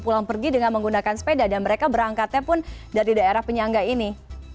pulang pergi dengan menggunakan sepeda dan mereka berangkatnya pun dari daerah penyangga ini